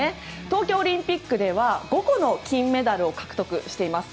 東京オリンピックでは、５個の金メダルを獲得しています。